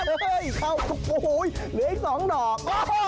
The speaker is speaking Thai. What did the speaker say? อ้าวเห้ยเข้าโอ้โฮเหลืออีก๒หนอก